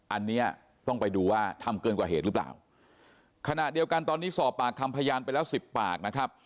อันนี้ต้องไปดูว่าทำเกินกว่าเหตุหรือเปล่าขณะเดียวกันตอนนี้สอบปากคำพยานไปแล้วสิบปากนะครับ